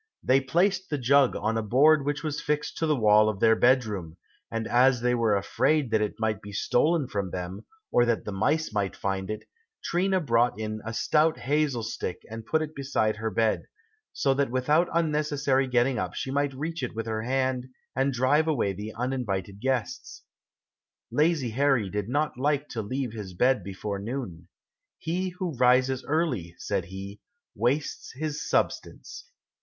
They placed the jug on a board which was fixed to the wall of their bed room, and as they were afraid that it might be stolen from them, or that the mice might find it, Trina brought in a stout hazel stick and put it beside her bed, so that without unnecessary getting up she might reach it with her hand, and drive away the uninvited guests. Lazy Harry did not like to leave his bed before noon. "He who rises early," said he, "wastes his substance."